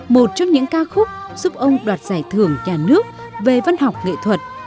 một trong những ca khúc giúp ông đoạt giải thưởng nhà nước về văn học nghệ thuật